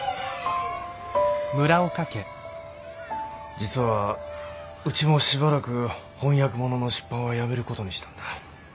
実はうちもしばらく翻訳物の出版はやめる事にしたんだ。